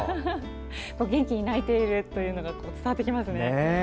元気に鳴いているのが伝わってきますね。